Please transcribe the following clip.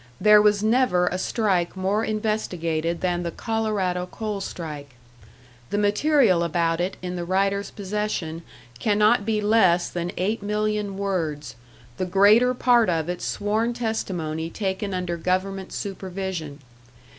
There was never a strike more investigated than the Colorado coal strike. The material about it in the writer's possession cannot be less than eight million words, the greater part of it sworn testimony taken under government supervision.